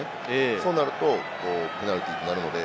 そうなるとペナルティーってなるので。